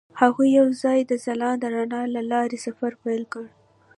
هغوی یوځای د ځلانده رڼا له لارې سفر پیل کړ.